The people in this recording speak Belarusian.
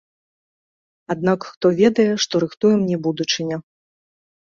Аднак хто ведае, што рыхтуе мне будучыня?